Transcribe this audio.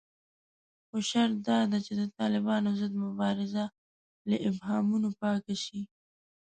خو شرط داده چې د طالبانو ضد مبارزه له ابهامونو پاکه شي